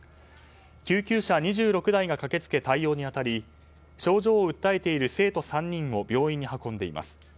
救急車２６台が駆けつけ対応に当たり症状を訴えている生徒３人を病院に運んでいます。